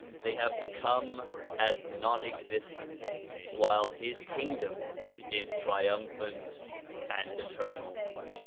They have become as non existent while his kingdom is triumphant and eternal.